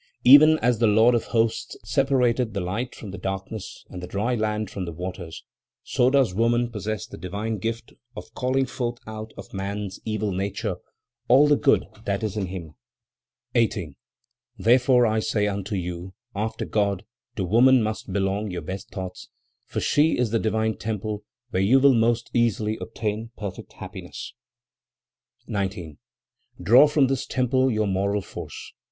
"Even as the Lord of Hosts separated the light from the darkness, and the dry land from the waters, so does woman possess the divine gift of calling forth out of man's evil nature all the good that is in him. 18. "Therefore I say unto you, after God, to woman must belong your best thoughts, for she is the divine temple where you will most easily obtain perfect happiness. 19. "Draw from this temple your moral force.